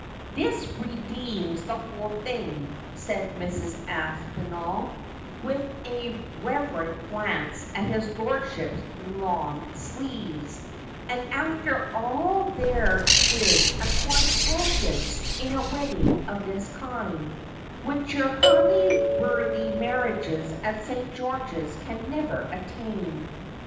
' This redeems the whole thing,' said Mrs. Aspinall, with a reverent glance at his lordship's lawn sleeves, ' and after all there is a quiet elegance in a wedding of this kind, which your hurly burly marriages at St. George's can never attain.'